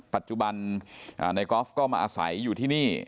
ปัจจุบันนายกอล์ฟก็มาอาศัยอยู่ที่นี่